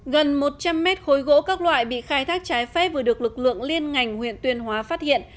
gần một trăm linh mét khối gỗ các loại bị khai thác trái phép vừa được lực lượng liên ngành huyện tuyên hóa phát hiện